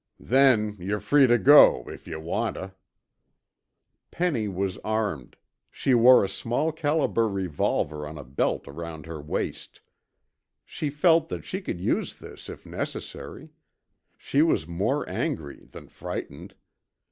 Then yore free tuh go, if yuh want tuh." Penny was armed: she wore a small caliber revolver on a belt around her waist. She felt that she could use this if necessary. She was more angry than frightened.